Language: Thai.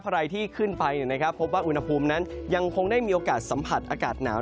ใครที่ขึ้นไปพบว่าอุณหภูมินั้นยังคงได้มีโอกาสสัมผัสอากาศหนาว